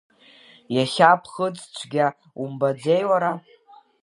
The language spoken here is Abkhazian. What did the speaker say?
Иахьа ԥхыӡ цәгьа умбаӡеи уара?